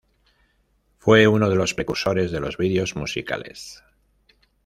Fue uno de los precursores de los videos musicales.